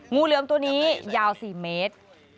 งูเหลือมตัวนี้ยาว๔เมตร